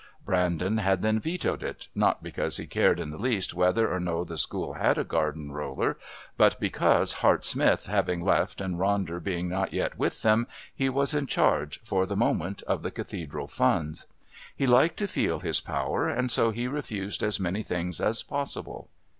Brandon had then vetoed it, not because he cared in the least whether or no the School had a garden roller, but because, Hart Smith having left and Ronder being not yet with them, he was in charge, for the moment, of the Cathedral funds. He liked to feel his power, and so he refused as many things as possible.